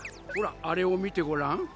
ほらあれを見てごらん。